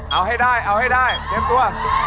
เอาให้ได้เตรียมตัว